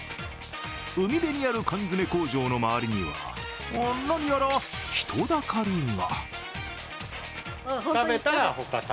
海辺にある缶詰工場の周りには何やら人だかりが。